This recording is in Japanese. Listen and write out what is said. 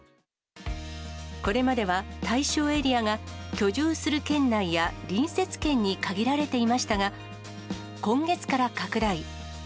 これまでは、対象エリアが居住する県内や隣接県に限られていましたが、今月から拡大。